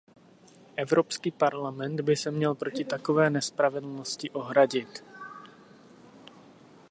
Evropský parlament by se měl proti takové nespravedlnosti ohradit.